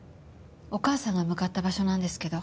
お義母さんが向かった場所なんですけど。